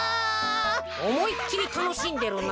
おもいっきりたのしんでるな。